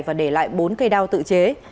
và để lại bốn cây đao tự chế